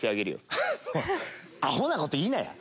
フッアホなこと言いなや。